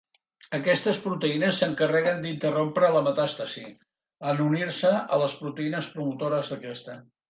Aquestes proteïnes s'encarreguen d'interrompre la metàstasi en unir-se a les proteïnes promotores d'aquesta.